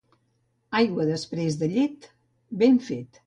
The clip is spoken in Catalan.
Aigua després de llet, ben fet.